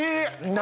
何？